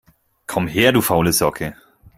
Komm her, du faule Socke